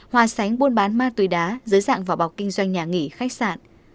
hòa sánh buôn bán ma túy đá dưới dạng vỏ bọc kinh doanh nhà nghỉ khách sạn